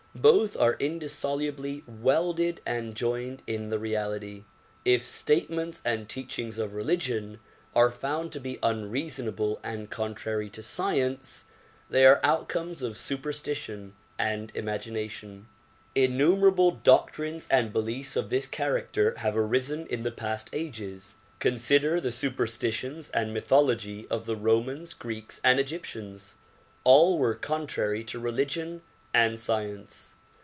Both are indissolubly welded and joined in the reality. If statements DISCOURSES DELIVERED IN PHILADELPHIA 171 and teachings of religion are found to be unreasonable and con trary to science, they are outcomes of superstition and imagina tion. Innumerable doctrines and beliefs of this character have arisen in the past ages. Consider the superstitions and mythology of the Romans, Greeks and Egyptians ; all were contrary to religion and science.